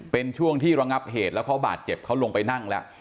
เป็นช่วงที่ระงับเหตุแล้วเขาบาดเจ็บเขาลงไปนั่งแล้ว